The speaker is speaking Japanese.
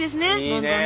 どんどんね。